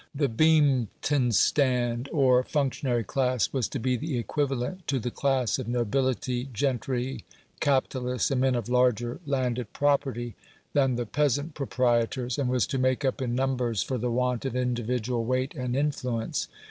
The Beamptenstand, or functionary class, was to be the equivalent to the class of nobility, gentry, capitalists, and men of larger landed property than the peasant proprietors, and was to make up in numbers for the want of individual weight and influence.